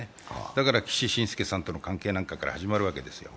だから、岸信介さんなどの関係から始まるわけですよ。